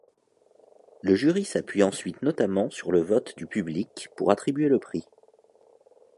Le Jury s'appuie ensuite notamment sur le vote du public pour attribuer le prix.